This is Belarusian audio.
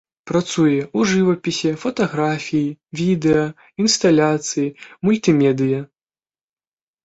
Працуе ў жывапісе, фатаграфіі, відэа, інсталяцыі, мультымедыя.